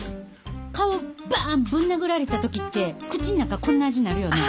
顔バンぶん殴られた時って口ん中こんな味なるよな。